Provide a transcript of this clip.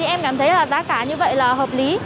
em cảm thấy là giá cả như vậy là hợp lý